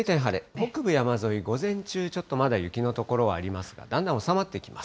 北部山沿い、午前中、ちょっとまだ雪の所はありますが、だんだん収まってきます。